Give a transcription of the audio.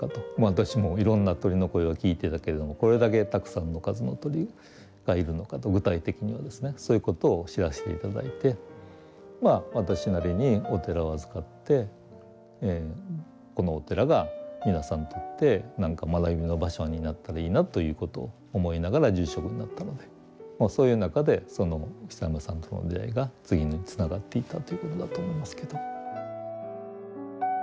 私もいろんな鳥の声は聞いていたけれどもこれだけたくさんの数の鳥がいるのかと具体的にはですねそういうことを知らせて頂いて私なりにお寺を預かってこのお寺が皆さんにとって何か学びの場所になったらいいなということを思いながら住職になったのでそういう中で久山さんとの出会いが次につながっていったということだと思いますけど。